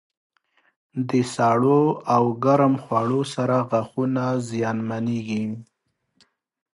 د سړو او ګرم خوړو سره غاښونه زیانمنېږي.